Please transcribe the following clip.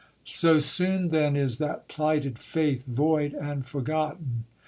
So soon then is that plighted faith void and forgotten